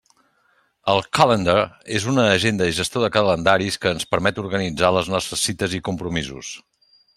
El Calendar és una agenda i gestor de calendaris que ens permet organitzar les nostres cites i compromisos.